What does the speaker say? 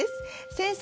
先生